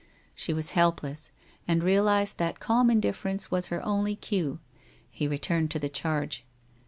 She was helpless, and realized that calm indifference was her only cue. He returned to the charge.